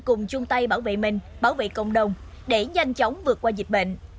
cùng chung tay bảo vệ mình bảo vệ cộng đồng để nhanh chóng vượt qua dịch bệnh